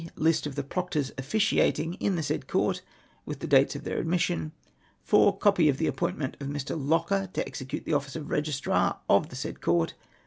List of the Proctors officiating in the said Court, with the dates of their admission. 4. Copy of the Appointment of Mr. Locker to execute the office of Kegistrar of the said Court.